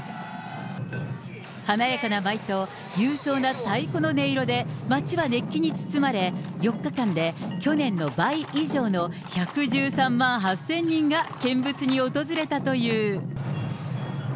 華やかな舞と勇壮な太鼓の音色で、街は熱気に包まれ、４日間で去年の倍以上の１１３万８０００人が見物に訪れたという。